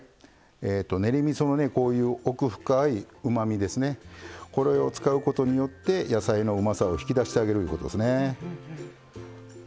練りみその奥深いうまみこれを使うことによって野菜のうまさを引き出してあげるということですね。